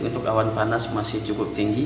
untuk awan panas masih cukup tinggi